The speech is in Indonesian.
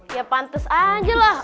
ya pantes aja lah